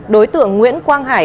đối tượng nguyễn quang hải